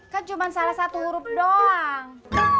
kan cuma salah satu huruf doang